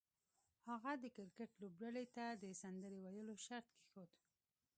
هغه د کرکټ لوبډلې ته د سندرې ویلو شرط کېښود